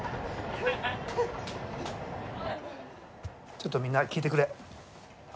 ちょっとみんな聞いてくれ。